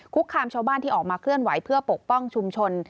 คามชาวบ้านที่ออกมาเคลื่อนไหวเพื่อปกป้องชุมชน